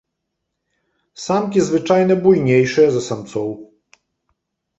Самкі звычайна буйнейшыя за самцоў.